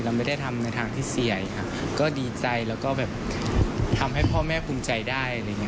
เราไม่ได้ทำในทางที่เสียค่ะก็ดีใจแล้วก็แบบทำให้พ่อแม่ภูมิใจได้